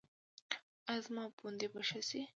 ایا زما پوندې به ښې شي؟